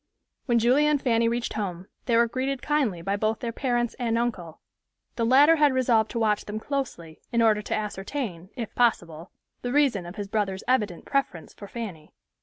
When Julia and Fanny reached home, they were greeted kindly by both their parents and uncle. The latter had resolved to watch them closely, in order to ascertain, if possible, the reason of his brother's evident preference for Fanny.